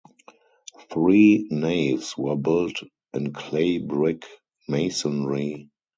Three naves were built in clay brick masonry.